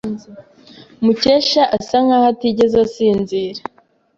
Mukesha asa nkaho atigeze asinzira.